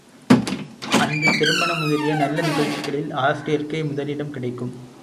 அன்று திருமணம் முதலிய நல்ல நிகழ்ச்சிகளில் ஆசிரியர்க்கே முதலிடம் கிடைக்கும்.